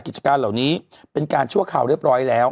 กิจการเหล่านี้เป็นการชั่วคราวเรียบร้อยแล้ว